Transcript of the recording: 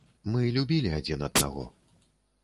Мы любілі адзін аднаго.